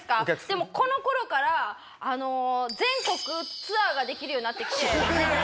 でもこの頃からあの全国ツアーができるようになってきて。